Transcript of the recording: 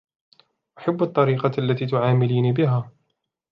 أحب الطريقة التي تعامليني بها.